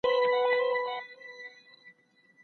حضرت عائشة رضي الله عنها ورته وفرمايل.